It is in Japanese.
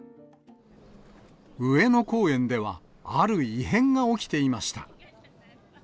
上野公園では、ある異変が起きていました。